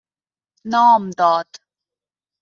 نام داد